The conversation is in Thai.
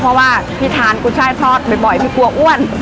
เพราะว่าพี่ทานกุช่ายทอดบ่อยพี่กลัวอ้วน